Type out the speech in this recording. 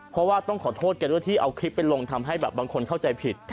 เพราะว่าต้องขอโทษแกด้วยที่เอาคลิปไปลงทำให้แบบบางคนเข้าใจผิด